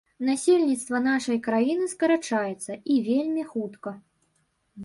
Насельніцтва нашай краіны скарачаецца, і вельмі хутка.